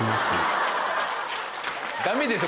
ダメですよ